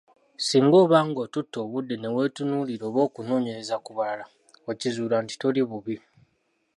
Singa obanga otutte obudde neweetunuulira oba okunoonyereza ku balala okizuula nti toli bubi.